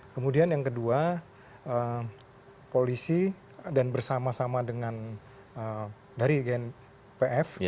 kemudian yang kedua polisi dan bersama sama dengan dari gnpf